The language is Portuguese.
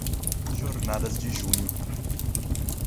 Jornadas de junho